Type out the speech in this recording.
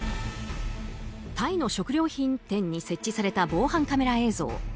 タイの食料品店に設置された防犯カメラ映像。